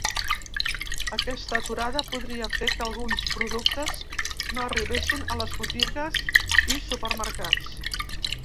Aquesta aturada podria fer que alguns productes no arribessin a les botigues i supermercats.